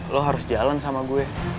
lo harus jalan sama gue